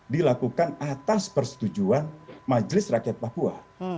dilakukan atas persetujuan majelis rakyat papua